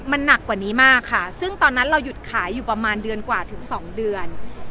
มันหนักกว่านี้มากค่ะซึ่งตอนนั้นเราหยุดขายอยู่ประมาณเดือนกว่าถึงสองเดือน